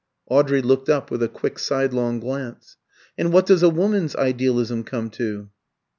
Audrey looked up with a quick sidelong glance. "And what does a woman's idealism come to?"